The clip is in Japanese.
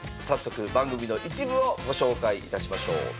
早速番組の一部をご紹介いたしましょう。